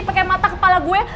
pakai mata kepala gue